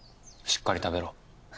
しっかり食べろ。